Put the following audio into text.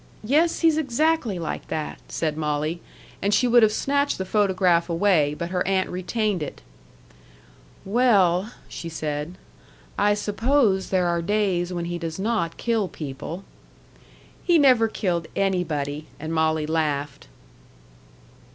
Yes, he's exactly like that," said Molly. And she would have snatched the photograph away, but her aunt retained it. "Well," she said, "I suppose there are days when he does not kill people." "He never killed anybody!" And Molly laughed.